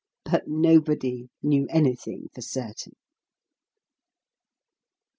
But nobody knew anything for certain.